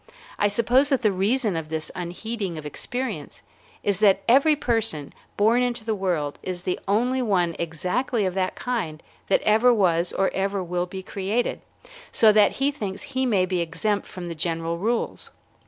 I suppose that the reason of this unheeding of experience is that every person born into the world is the only one exactly of that kind that ever was or ever will be created, so that he thinks he may be exempt from the general rules.